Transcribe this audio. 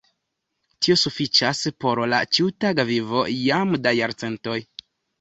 Tio sufiĉas por la ĉiutaga vivo jam de jarcentoj.